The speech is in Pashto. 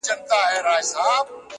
له ما پرته وبل چاته.!